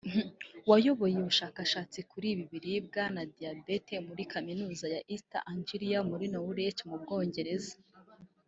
wayoboye ubushakashatsi kuri ibi biribwa na diyabete muri kaminuza ya East Anglia muri Norwich mu Bwongereza